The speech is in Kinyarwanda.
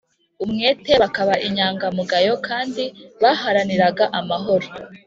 Umwete bakaba inyangamugayo kandi baharaniraga amahoro